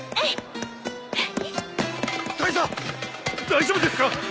大丈夫ですか？